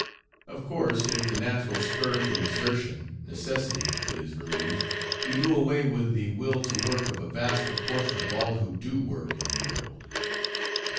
Of course, if the natural spur to exertion, necessity, is removed, you do away with the will to work of a vast proportion of all who do work in the world.